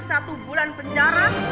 satu bulan penjara